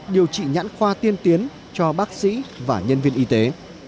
điều trị nhãn khoa tiên tiến cho bác sĩ và nhân viên y tế